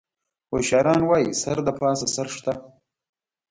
هوښیاران وایي: سر د پاسه سر شته.